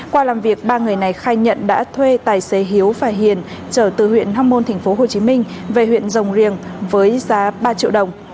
qua làm việc ba người này khai nhận đã thuê tài xế hiếu và hiền trở từ huyện hóc môn tp hcm về huyện rồng riềng với giá ba triệu đồng